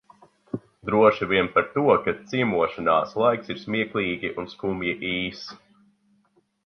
Droši vien par to, ka ciemošanās laiks ir smieklīgi un skumji īss.